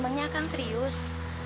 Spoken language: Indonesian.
memangnya akang serius